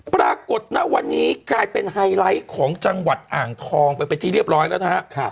ปรากฏณวันนี้กลายเป็นไฮไลท์ของจังหวัดอ่างทองไปเป็นที่เรียบร้อยแล้วนะฮะ